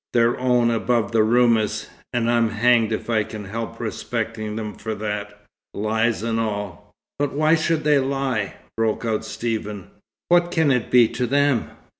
Their own above the Roumis, and I'm hanged if I can help respecting them for that, lies and all." "But why should they lie?" broke out Stephen. "What can it be to them?"